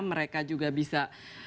mereka juga bisa